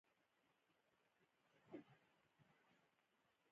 نن یې چیت پیت کړ.